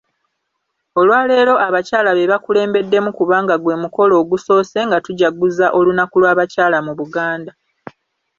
Olwaleero abakyala be bakulembeddemu kubanga ggwe mukolo ogusoose nga tujaguza olunaku lw’abakyala mu Buganda.